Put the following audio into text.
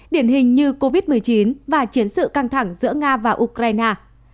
điển hình như covid một mươi chín và chiến sự căng thẳng giữa nga và ukraine